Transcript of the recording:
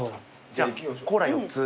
じゃあコーラ４つ。